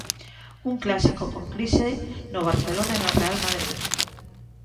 Un clásico con crise no Barcelona e no Real Madrid.